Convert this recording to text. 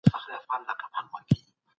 تاسي باید د هر چا د هیلې احترام وکړئ.